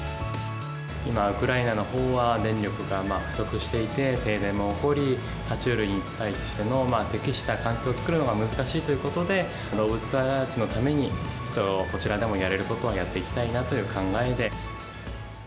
今、ウクライナのほうは電力が不足していて、停電も起こり、は虫類に対しての適した環境を作るのが難しいということで、動物たちのためにこちらでもやれることはやっていきたいなという考えで。